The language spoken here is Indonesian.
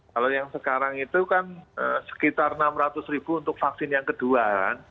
kalau yang sekarang itu kan sekitar rp enam ratus ribu untuk vaksin yang kedua